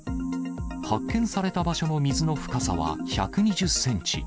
発見された場所の水の深さは１２０センチ。